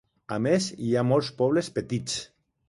A més, hi ha molts poblets petits.